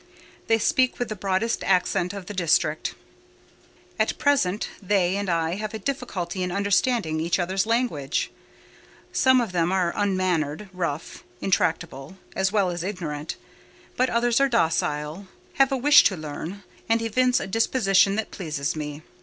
They speak with the broadest accent of the district. At present, they and I have a difficulty in understanding each other's language. Some of them are unmannered, rough, intractable, as well as ignorant; but others are docile, have a wish to learn, and evince a disposition that pleases me.